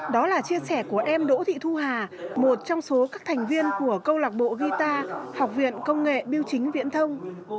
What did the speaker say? đó là chia sẻ của em đỗ thị thu hà một trong số các thành viên của câu lạc bộ guitar học viện công nghệ biêu chính viễn thông